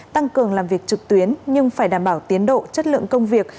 tăng cường làm việc trực tuyến nhưng phải đảm bảo tiến độ chất lượng công việc